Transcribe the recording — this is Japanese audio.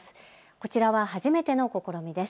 こちらは初めての試みです。